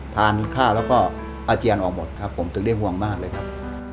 ทานข้าวแล้วก็อาเจียนออกหมดครับผมถึงได้ห่วงมากเลยครับ